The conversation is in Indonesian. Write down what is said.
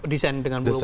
desain dengan pulau pulau